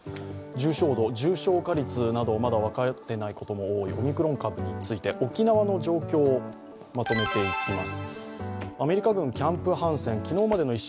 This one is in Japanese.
重症度、重症化率など、まだ分かっていないことも多いオミクロン株について、沖縄の状況をまとめていきます。